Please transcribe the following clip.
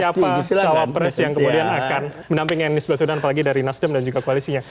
siapa jawab pres yang kemudian akan menampingi anies basudan apalagi dari nasdem dan juga koalisinya